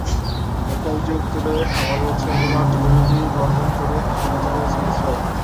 পাল্টা অভিযোগ তুলে হামাস বলেছে, গতকাল যুদ্ধবিরতি লঙ্ঘন করে হামলা চালিয়েছে ইসরায়েল।